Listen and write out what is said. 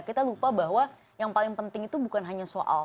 kita lupa bahwa yang paling penting itu bukan hanya soal